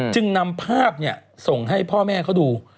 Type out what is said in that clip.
จึงนำภาพส่งให้พ่อแม่เขาดู